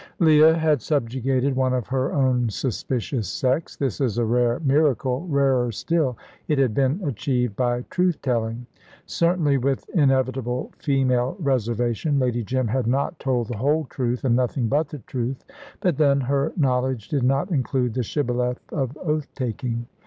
Leah had subjugated one of her own suspicious sex. This is a rare miracle; rarer still, it had been achieved by truth telling. Certainly, with inevitable female reservation, Lady Jim had not told the whole truth and nothing but the truth; but then, her knowledge did not include the shibboleth of oath taking.